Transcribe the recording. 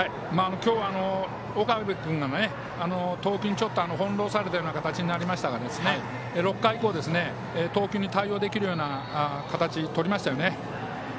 今日は岡部君の投球に翻弄されるような形になりましたが６回以降投球に対応できるような形をとりましたよね。